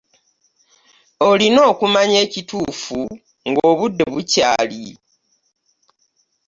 Olina okumanya ekituufu nga obude bukyaali.